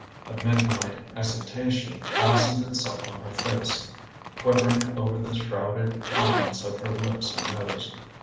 A midnight exultation Fastened itself on her face, Quivering over the shrouded prominence Of her lips and nose.